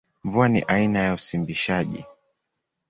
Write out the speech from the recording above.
Mvua ni aina ya usimbishaji.